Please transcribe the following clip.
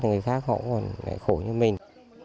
thì người khác cũng khổ như mình